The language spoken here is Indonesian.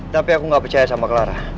tapi aku nggak percaya sama clara